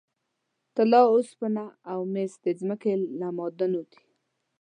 طلا، اوسپنه او مس د ځمکې له معادنو دي.